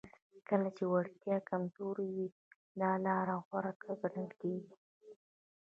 کله چې وړتیاوې کمزورې وي دا لاره غوره ګڼل کیږي